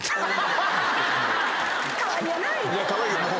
かわいいよなぁ。